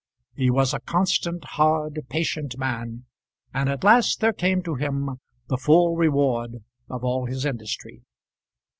He was a constant, hard, patient man, and at last there came to him the full reward of all his industry.